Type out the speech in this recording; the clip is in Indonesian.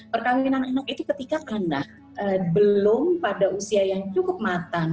perkawinan anak itu ketika anak belum pada usia yang cukup matang